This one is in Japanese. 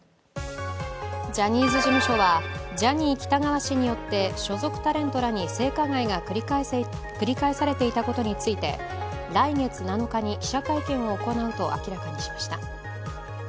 ジャニーズ事務所はジャニー喜多川氏によって所属タレントらに性加害が繰り返されていたことについて来月７日に記者会見を行うと明らかにしました。